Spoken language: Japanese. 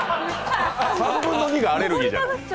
３分の２がアレルギーじゃないですか。